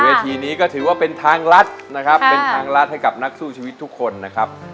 ทีนี้ก็ถือว่าเป็นทางรัฐนะครับเป็นทางรัฐให้กับนักสู้ชีวิตทุกคนนะครับ